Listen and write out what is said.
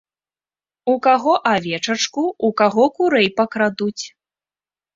У каго авечачку, у каго курэй пакрадуць.